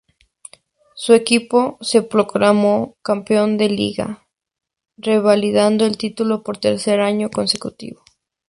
Su equipo se proclamó campeón de Liga, revalidando el título por tercer año consecutivo.